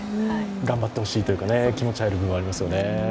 頑張ってほしいというか、気持ち入る理由ありますよね。